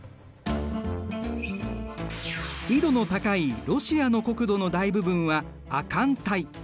緯度の高いロシアの国土の大部分は亜寒帯。